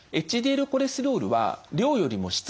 ＨＤＬコレステロールは量よりも質。